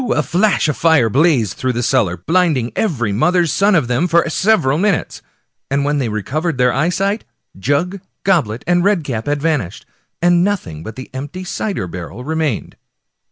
— a flash of fire blazed through the cellar, blinded every mother's son of them for several minutes, and when they recovered their eyesight, jug, goblet, and Red cap had vanished, and nothing but the empty cider barrel remained."